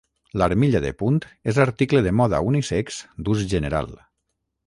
L'armilla de punt és article de moda unisex d'ús general.